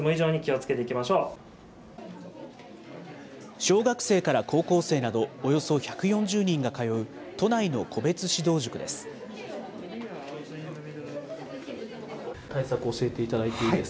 小学生から高校生など、およそ１４０人が通う、都内の個別指導塾です。